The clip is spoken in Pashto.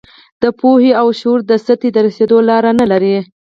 د پوهې او شعور دې سطحې ته رسېدو لاره نه لري.